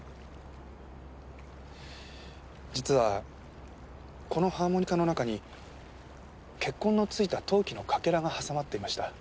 実はこのハーモニカの中に血痕の付いた陶器のかけらが挟まっていました。